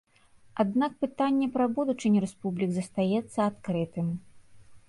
Аднак пытанне пра будучыню рэспублік застаецца адкрытым.